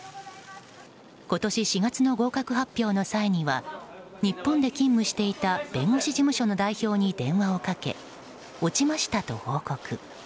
今年４月の合格発表の際には日本で勤務していた弁護士事務所の代表に電話をかけ落ちましたと報告。